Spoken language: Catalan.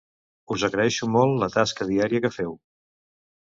Us agraeixo molt la tasca diària que feu!